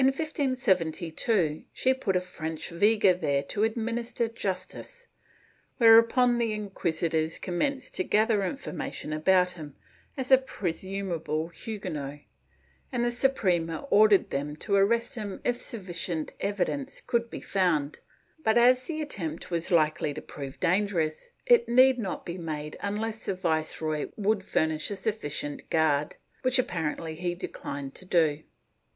In 1572, she put a French veguer there to administer justice, whereupon the inquisitors commenced to gather information about him, as a presumable Huguenot, and the Suprema ordered them to arrest him if sufficient evidence could be found, but, as the attempt was likely to prove dangerous, it need not be made unless the viceroy would furnish a sufficient guard, which apparently he declined to do.